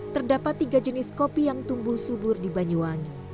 terdapat tiga jenis kopi yang tumbuh subur di banyuwangi